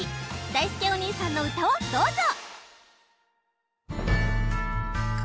だいすけお兄さんの歌をどうぞ！